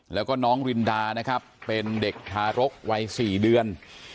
แล้วก็น้องรินดานะครับเป็นเด็กทารกวัย๔เดือน